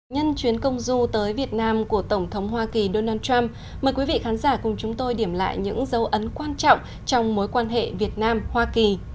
nhân chuyến công du tới việt nam của tổng thống hoa kỳ donald trump mời quý vị khán giả cùng chúng tôi điểm lại những dấu ấn quan trọng trong mối quan hệ việt nam hoa kỳ